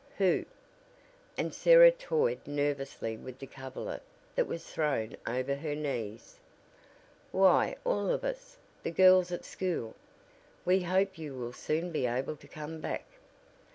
Who?" and Sarah toyed nervously with the coverlet that was thrown over her knees. "Why all of us; the girls at school. We hope you will soon be able to come back."